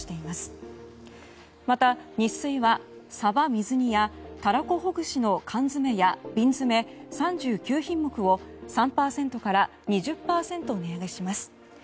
また、ニッスイはさば水煮やたらこほぐしの缶詰や瓶詰３９品目を３％から２０％値上げします。